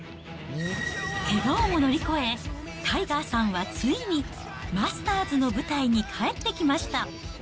けがをも乗り越え、タイガーさんはついに、マスターズの舞台に帰ってきました。